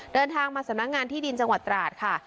เดินทางมาสำนักงานที่ดินจังหวัดตราดค่ะ